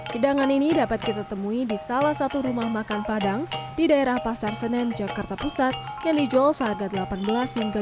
hidangan ini dapat kita temui di salah satu rumah makan padang di daerah pasar senen jakarta pusat yang dijual harga rp delapan belas hingga rp dua puluh lima